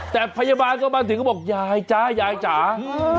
แต่พยาบาลก็บอกอย่ายจ่ายายจ่าย